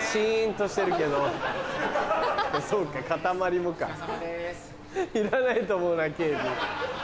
そうかかたまりもかいらないと思うな警備。